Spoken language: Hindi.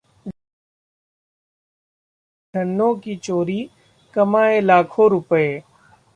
जय-वीरू की ये जोड़ी करती थी 'धन्नो' की चोरी, कमाए लाखों रुपये